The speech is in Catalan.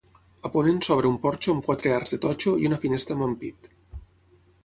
A ponent s'obre un porxo amb quatre arcs de totxo i una finestra amb ampit.